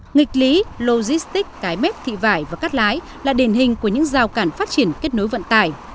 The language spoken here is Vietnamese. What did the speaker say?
nghị lý logistics cái mép thị vải và cắt lái là đền hình của những giao cản phát triển kết nối vận tải